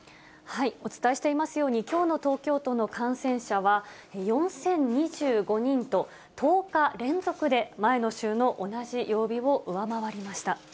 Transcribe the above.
お伝えしていますように、きょうの東京都の感染者は、４０２５人と、１０日連続で前の週の同じ曜日を上回りました。